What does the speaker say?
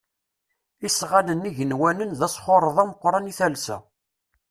Isɣanen igenwanen d asxurreḍ ameqqran i talsa.